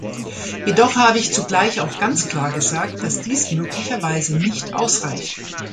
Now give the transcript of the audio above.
Jedoch habe ich zugleich auch ganz klar gesagt, dass dies möglicherweise nicht ausreicht.